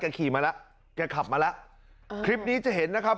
ขี่มาแล้วแกขับมาแล้วคลิปนี้จะเห็นนะครับ